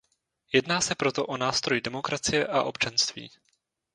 Jedná se proto o nástroj demokracie a občanství.